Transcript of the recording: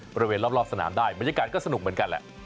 บริเวณรอบสนามได้บรรยากาศก็สนุกเหมือนกันแหละ